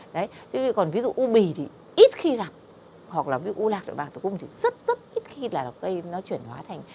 thế còn ví dụ u bì thì ít khi gặp hoặc là ví dụ u lạc u bạc tổ cung thì rất rất ít khi là nó chuyển hóa thành